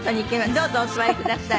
どうぞお座りください。